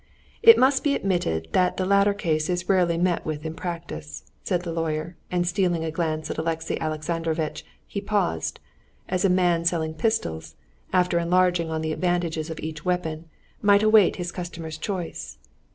It must be admitted that the latter case is rarely met with in practice," said the lawyer, and stealing a glance at Alexey Alexandrovitch he paused, as a man selling pistols, after enlarging on the advantages of each weapon, might await his customer's choice.